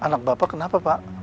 anak bapak kenapa pak